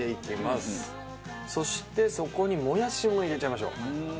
そしてそこにもやしも入れちゃいましょう。